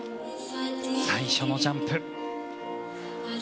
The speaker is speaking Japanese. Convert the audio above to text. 最初のジャンプ。